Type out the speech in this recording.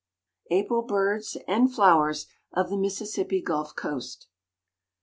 APRIL BIRDS AND FLOWERS OF THE MISSISSIPPI GULF COAST.